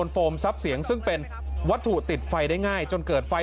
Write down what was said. โฟมทรัพย์เสียงซึ่งเป็นวัตถุติดไฟได้ง่ายจนเกิดไฟ